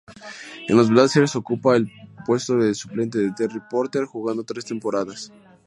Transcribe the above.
En los Blazers ocupa el puesto de suplente de Terry Porter, jugando tres temporadas.